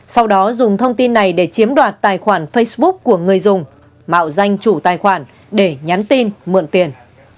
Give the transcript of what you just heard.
sau đó dùng thông tin này để chiếm đoạt tài khoản facebook của người dùng mạo danh chủ tài khoản để nhắn tin mượn tiền